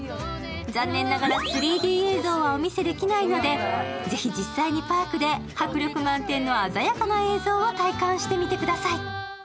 残念ながら３Ｄ映像はお見せできないので、ぜひ実際にパークで迫力満点の鮮やかな映像を体感してみてください。